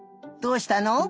どうしたの？